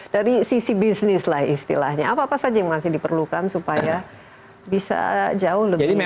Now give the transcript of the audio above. dari sisi bisnis lah istilahnya apa apa saja yang masih diperlukan supaya bisa jauh lebih baik